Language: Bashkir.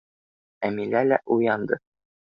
Әмилә лә уянды.